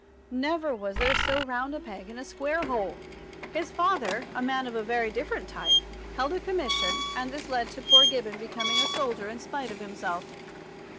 Never was there so round a peg in a square hole! His father, a man of a very different type, held a commission, and this led to poor Gibbon becoming a soldier in spite of himself.